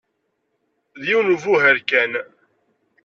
D yiwen ubuhal kan.